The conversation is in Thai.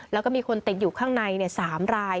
แล้วก็มีคนติดอยู่ข้างใน๓ราย